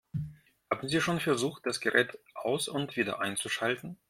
Haben Sie schon versucht, das Gerät aus- und wieder einzuschalten?